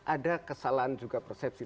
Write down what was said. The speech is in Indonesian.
ada kesalahan juga persepsi